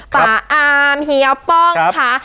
ป่าอามเฮียป้องค่ะ